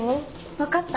分かった？